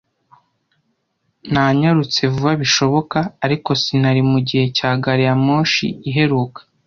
Nanyarutse vuba bishoboka, ariko sinari mugihe cya gari ya moshi iheruka.